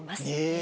え！